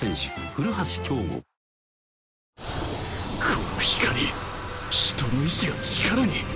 この光人の意思が力に。